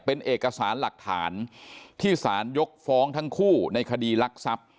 เป็นเอกสารหลักฐานที่สารยกฟ้องทั้งคู่ในคดีลักทรัพย์